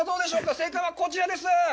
正解はこちらです。